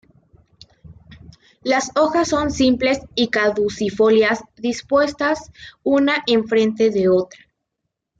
Las hojas son simples y caducifolias, dispuestas una enfrente de otra.